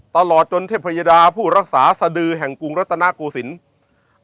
ตลอดจนเทพยดาผู้รักษาสดือแห่งกรุงรัฐนาโกศิลป์